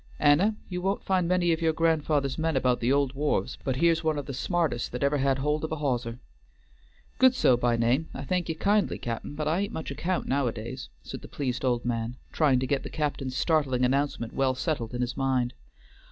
"Anna, you won't find many of your grandfather's men about the old wharves, but here's one of the smartest that ever had hold of a hawser." "Goodsoe by name: I thank ye kindly, cap'n, but I ain't much account nowadays," said the pleased old man, trying to get the captain's startling announcement well settled in his mind.